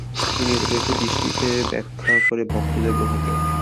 তিনি নিরপেক্ষ দৃষ্টিতে ব্যাখ্যা করে ভক্তদের বোঝাতেন।